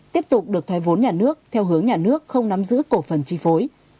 tiếp tục được thoái vốn nhà nước theo hướng nhà nước không nắm giữ cổ phần chi phối